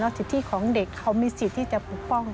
สิทธิของเด็กเขามีสิทธิ์ที่จะปกป้อง